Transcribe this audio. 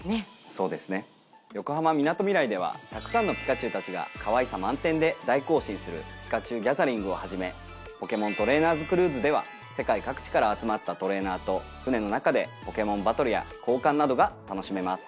そうですね横浜みなとみらいではたくさんのピカチュウたちがかわいさ満天で大行進する「ＰｉｋａｃｈｕＧａｔｈｅｒｉｎｇ‼」をはじめポケモントレーナーズクルーズでは世界各地から集まったトレーナーと船の中でポケモンバトルや交換などが楽しめます。